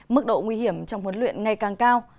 mức độ nguy hiểm trong huấn luyện ngày càng cao